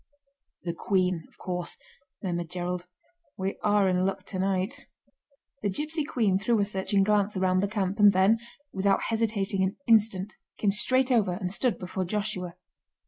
"The Queen, of course," murmured Gerald. "We are in luck tonight." The gipsy Queen threw a searching glance around the camp, and then, without hesitating an instant, came straight over and stood before Joshua.